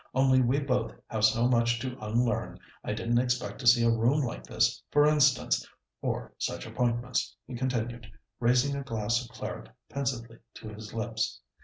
"Only we both have so much to unlearn. I didn't expect to see a room like this, for instance, or such appointments," he continued, raising a glass of claret pensively to his lips.